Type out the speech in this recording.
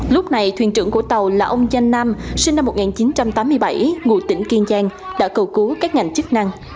lúc này thuyền trưởng của tàu là ông danh nam sinh năm một nghìn chín trăm tám mươi bảy ngụ tỉnh kiên giang đã cầu cứu các ngành chức năng